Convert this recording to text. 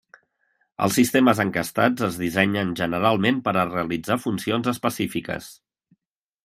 Els sistemes encastats es dissenyen generalment per a realitzar funcions específiques.